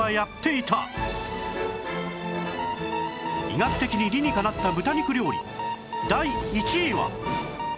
医学的に理にかなった豚肉料理第１位は